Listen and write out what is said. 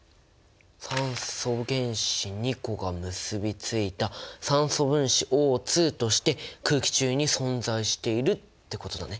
酸素原子２個が結びついた酸素分子Ｏとして空気中に存在しているってことだね！